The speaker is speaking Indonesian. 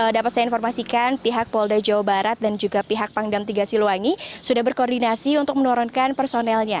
dapat saya informasikan pihak polda jawa barat dan juga pihak pangdam tiga siluwangi sudah berkoordinasi untuk menurunkan personelnya